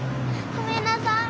ごめんなさい。